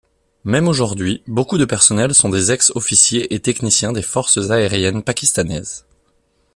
Même aujourd'hui, beaucoup de personnel sont des ex-officiers et techniciens des forces aériennes pakistanaises.